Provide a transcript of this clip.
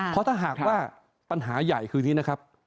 เพราะถ้าหากว่าปัญหาใหญ่คืออย่างนี้นะครับ